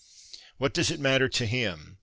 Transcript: What does it matter to him ?